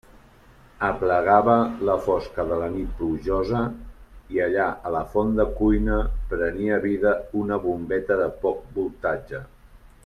Aplegava la fosca de la nit plujosa i allà a la fonda cuina prenia vida una bombeta de poc voltatge.